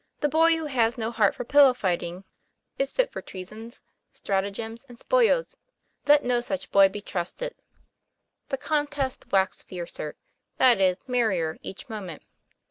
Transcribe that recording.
The boy who has no heart for pillow fighting is fit for 144 TOM PLA YFAIR. treasons, stratagems, and spoils ; let no such boy be trusted. The contest waxed fiercer that is, merrier each moment.